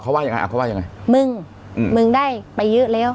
เขาว่ายังไงอ่ะเขาว่ายังไงมึงอืมมึงมึงได้ไปเยอะแล้ว